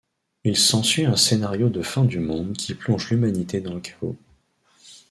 Il s'ensuit un scénario de fin du monde qui plonge l'humanité dans le chaos.